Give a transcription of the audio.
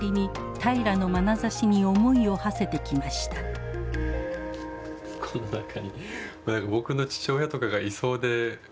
この中に僕の父親とかがいそうでもうこのなんか。